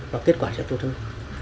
và kết quả sẽ tốt hơn